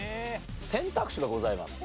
選択肢がございます。